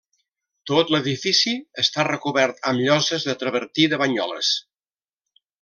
Tot l'edifici està recobert amb lloses de travertí de Banyoles.